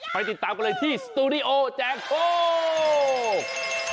ไปติดตามกันเลยที่สตูดิโอแจกโชค